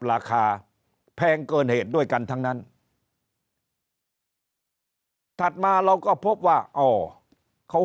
ราคาแพงเกินเหตุด้วยกันทั้งนั้นถัดมาเราก็พบว่าอ๋อเขา